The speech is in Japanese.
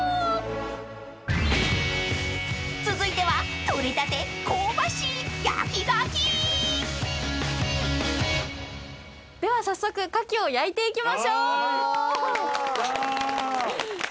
［続いては］では早速カキを焼いていきましょう！